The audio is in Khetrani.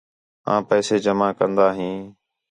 آں پیسے جمع کندا ہیں